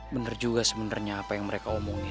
bener juga sebenernya apa yang mereka omongin